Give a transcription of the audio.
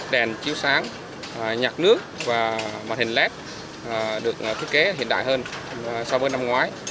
đèn chiếu sáng nhạc nước và màn hình led được thiết kế hiện đại hơn so với năm ngoái